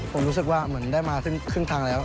ผมรู้สึกว่าเหมือนได้มาครึ่งทางแล้ว